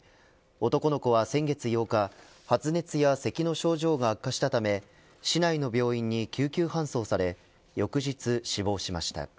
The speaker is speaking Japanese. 男の子は先月８日発熱やせきの症状が悪化したため市内の病院に救急搬送され翌日、死亡しました。